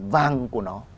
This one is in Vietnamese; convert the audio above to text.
vàng của nó